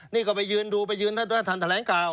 นี่ก็ไปยืนดูไปยืนท่านแถลงข่าว